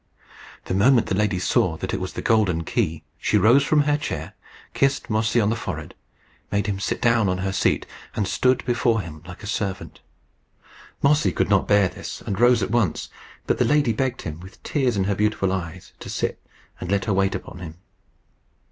The moment the lady saw that it was the golden key, she rose from her chair, kissed Mossy on the forehead, made him sit down on her seat, and stood before him like a servant. Mossy could not bear this, and rose at once. But the lady begged him, with tears in her beautiful eyes, to sit, and let her wait on him.